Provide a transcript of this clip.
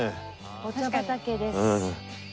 お茶畑です。